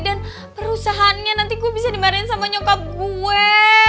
dan perusahaannya nanti gue bisa dimarahin sama nyokap gue